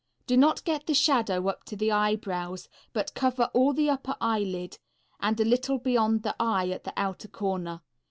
Do not get the shadow up to the eyebrows, but cover all the upper eyelid, and a little beyond the eye at the outer corner.